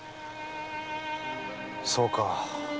そうか。